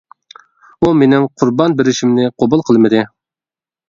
ئۇ مېنىڭ قۇربان بېرىشىمنى قوبۇل قىلمىدى.